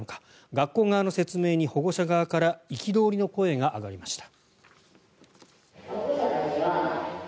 学校側の説明に保護者側から憤りの声が上がりました。